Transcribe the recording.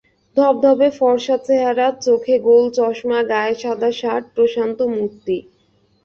ধবধবে ফরসা চেহারা, চোখে গোল চশমা, গায়ে সাদা শার্ট প্রশান্ত মূর্তি।